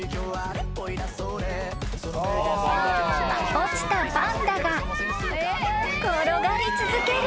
［落ちたパンダが転がり続ける］